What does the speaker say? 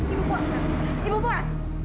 ibu buat ibu buat